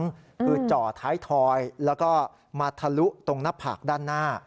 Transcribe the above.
คือจ่อท้ายทอยแล้วก็มาทะลุตรงหน้าผากด้านหน้า